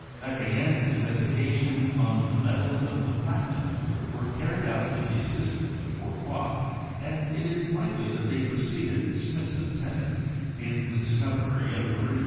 Vauquelin's in vestigations on the metals of the platinum group were car ried out with the assistance of Fourcroy, and it is likely that they preceded Smithson Tennant in the discovery of iridium.